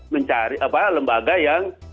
mencari lembaga yang